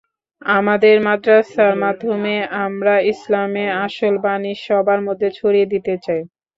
আমাদের মাদ্রাসার মাধ্যমে আমরা ইসলামে আসল বাণী সবার মধ্যে ছড়িয়ে দিতে চাই।